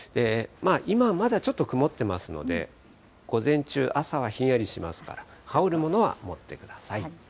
今、まだちょっと曇ってますので、午前中、朝はひんやりしますから、羽織るものは持ってください。